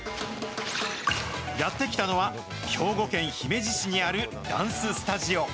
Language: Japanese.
やって来たのは兵庫県姫路市にあるダンススタジオ。